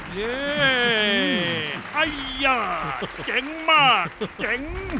เฮ้ไอ้ยาเจ๋งมากเจ๋ง